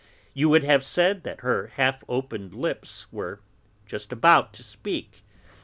You would have said that her half opened lips were just about to speak.